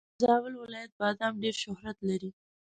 د زابل ولایت بادم ډېر شهرت لري.